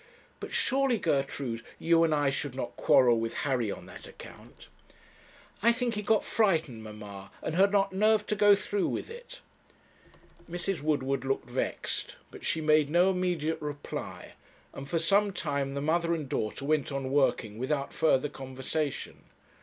But surely, Gertrude, you and I should not quarrel with Harry on that account.' 'I think he got frightened, mamma, and had not nerve to go through with it.' Mrs. Woodward looked vexed; but she made no immediate reply, and for some time the mother and daughter went on working without further conversation.